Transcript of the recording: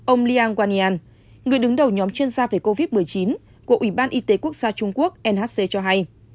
ông liang wanian người đứng đầu nhóm chuyên gia về covid một mươi chín của ủy ban y tế quốc gia trung quốc nhc cho hay